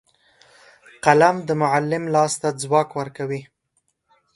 قلم د معلم لاس ته ځواک ورکوي